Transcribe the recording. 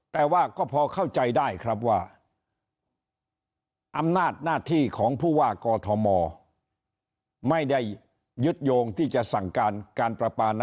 แต่ว่าก็พอเข้าใจได้ครับว่าอำนาจหน้าที่ของผู้ว่ากอทมไม่ได้ยึดโยงที่จะสั่งการการประปานะ